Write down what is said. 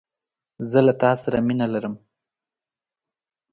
زه له تا سره مینه لرم